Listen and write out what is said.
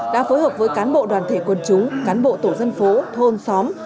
đã phối hợp với cán bộ đoàn thể quân chúng cán bộ tổ dân phố thôn xóm